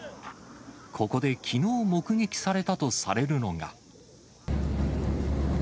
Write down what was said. ここできのう目撃されたとされるのが。